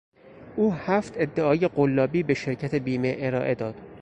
او هفت ادعای قلابی به شرکت بیمه ارائه داد.